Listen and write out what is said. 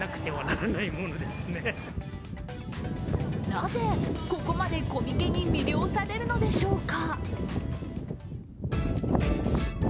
なぜここまでコミケに魅了されるのでしょうか。